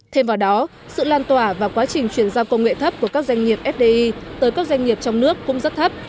thêm vào đó sự lan tỏa và quá trình chuyển giao công nghệ thấp của các doanh nghiệp fdi tới các doanh nghiệp trong nước cũng rất thấp